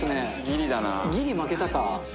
「ギリ負けたか」